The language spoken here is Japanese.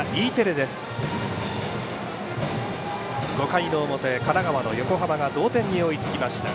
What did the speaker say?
５回の表、神奈川の横浜が同点に追いつきました。